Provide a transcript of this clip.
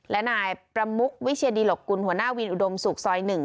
และนายประมุกวิเชียดีหลกกุลหัวหน้าวินอุดมศุกร์ซอย๑